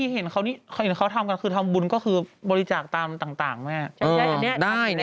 หรือบางทีเห็นเขาทำการคือทำบุญก็คือบริจาคตามต่างไหม